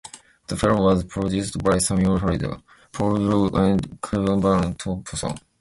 The film was produced by Samuel Hadida, Paul Berrow and Kevan Van Thompson.